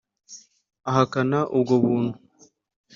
Ahakana ubwo buntu.